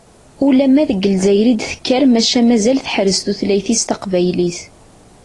Ulamma deg Lezzayer i d-tekkar maca mazal teḥrez tutlayt-is taqbaylit.